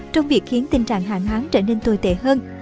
trong việc khiến tình trạng hạn hán trở nên tồi tệ hơn